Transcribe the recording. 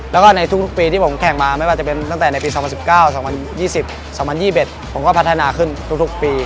แล้วก็ในทุกปีที่ผมแข่งมาไม่ว่าจะเป็นตั้งแต่ในปี๒๐๑๙๒๐๒๐๒๑ผมก็พัฒนาขึ้นทุกปี